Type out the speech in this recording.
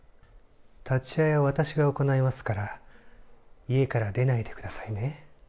立ち会いは私が行いますから、家から出ないでくださいね。